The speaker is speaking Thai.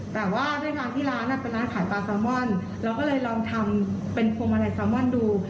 แต่ว่าด้วยการที่ร้านเป็นร้านขายปลาซัลมอนด์เราก็เลยลองทำเป็นโฟมะไลน์ซัลมอนด์ดู